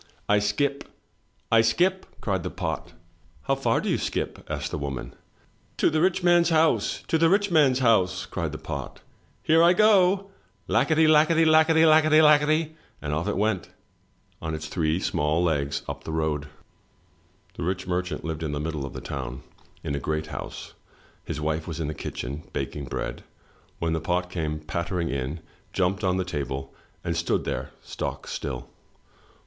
"I skip, I skip!" cried the pot. "How far do you skip?" asked the woman. "To the rich man's house, to the rich man's house," cried the pot. "Here I go — lackady, lackady, lackady, lackady," and off it went on its three small legs, up the road. 70 THROUGH FAIRY HALLS The rich merchant lived in the middle of the town, in a great house. His wife was in the kitchen, baking bread, when the pot came pattering in, jumped on the table and stood there, stock still.